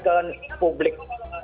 kalau nggak dikenal publik